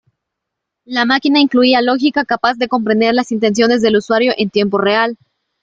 La máquina incluía lógica capaz de comprender las intenciones del usuario en tiempo real.